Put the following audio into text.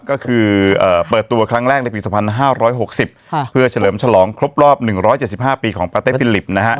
ก็คือเปิดตัวครั้งแรกในปี๒๕๖๐เพื่อเฉลิมฉลองครบรอบ๑๗๕ปีของปาเต้ฟิลิปนะฮะ